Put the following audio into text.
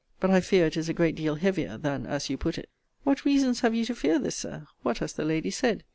But I fear it is a great deal heavier than as you put it. What reasons have you to fear this, Sir? What has the lady said?